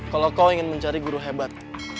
kalau kau ingin mencari guru hebat